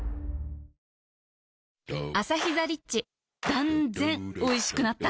断然おいしくなった